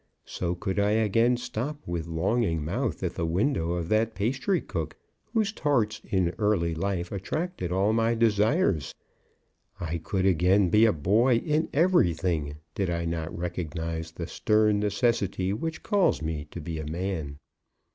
So could I again stop with longing mouth at the window of that pastrycook, whose tarts in early life attracted all my desires. I could again be a boy in everything, did I not recognize the stern necessity which calls me to be a man.